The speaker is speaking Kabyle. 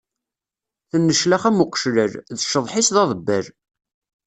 Tenneclax am uqeclal, cceḍḥ-is d aḍebbal.